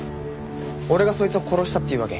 俺がそいつを殺したっていうわけ？